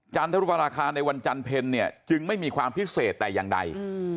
ทรุปราคาในวันจันเพลเนี่ยจึงไม่มีความพิเศษแต่อย่างใด